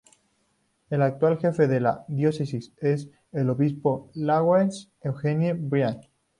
El actual jefe de la Diócesis es el Obispo Lawrence Eugene Brandt.